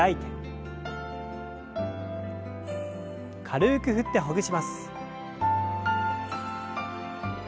軽く振ってほぐします。